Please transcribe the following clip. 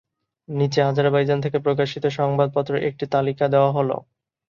নীচে আজারবাইজান থেকে প্রকাশিত সংবাদপত্রের একটি তালিকা দেওয়া হলোঃ